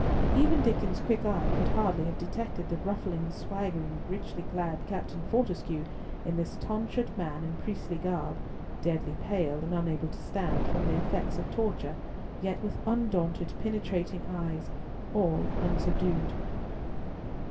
Even Diccon's quick eye could hardly have detected the ruffling, swaggering, richly clad Captain Fortescue in this tonsured man in priestly garb, deadly pale, and unable to stand, from the effects of torture, yet with undaunted, penetrating eyes, all unsubdued.